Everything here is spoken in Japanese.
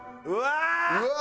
うわ！